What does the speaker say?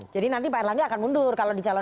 jadi nanti pak erlangga akan mundur kalau dicalon